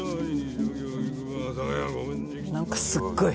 何かすっごい。